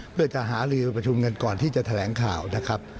เพื่อจะหาลือไปประชุมกันก่อนที่จะแถลงข่าวนะครับ